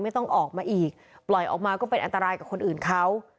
ไม่ต้องออกมาอีกปล่อยออกมาก็เป็นอันตรายกับคนอื่นเขา